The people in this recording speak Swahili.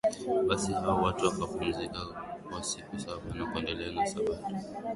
Basi hao watu wakapumzika kwa siku ya saba na kuendelea na sabato